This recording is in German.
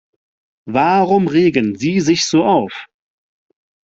Warum regen Sie sich so auf?